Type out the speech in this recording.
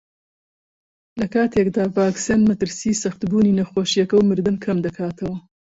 لەکاتێکدا ڤاکسین مەترسیی سەختبوونی نەخۆشییەکە و مردن کەمدەکاتەوە